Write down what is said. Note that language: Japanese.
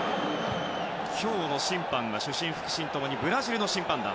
今日の審判が主審、副審共にブラジルの審判団。